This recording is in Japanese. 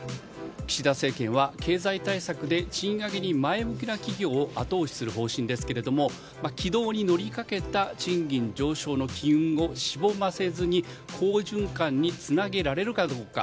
岸田政権は経済対策で賃上げに前向きな企業を後押しする方針ですけども軌道に乗りかけた賃金上昇の機運をしぼませずに好循環につなげられるかどうか。